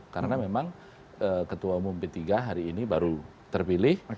karena memang ketua umum p tiga hari ini baru terpilih